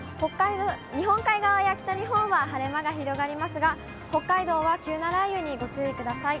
日本海側や北日本は晴れ間が広がりますが、北海道は急な雷雨にご注意ください。